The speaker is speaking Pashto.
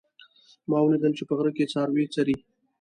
ما ولیدل چې په غره کې څاروي څري